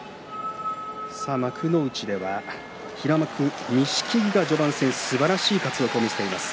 幕内では平幕の錦木が序盤戦すばらしい活躍を見せています。